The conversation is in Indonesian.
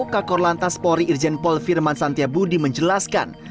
kekor lantas pori irjen pol firman santiabudi menjelaskan